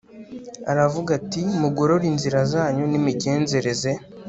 aravuga ati mugorore inzira zanyu n imigenzereze